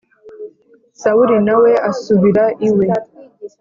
Sawuli na we asubira iwe